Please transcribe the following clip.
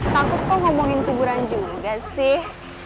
takut kok ngomongin kuburan juga sih